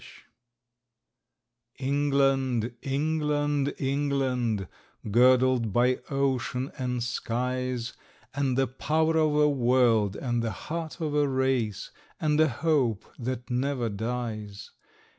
England England, England, England, Girdled by ocean and skies, And the power of a world and the heart of a race, And a hope that never dies.